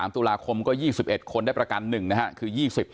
๕๓ตุลาคมก็๒๑คนได้ประกันหนึ่งนะครับคือ๒๐